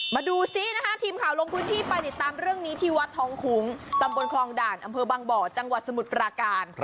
มาดูซินะคะทีมข่าวลงพื้นที่ไปติดตามเรื่องนี้ที่วัดท้องคุ้งตำบลคลองด่านอำเภอบางบ่อจังหวัดสมุทรปราการ